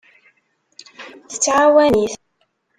Tettɛawan-it.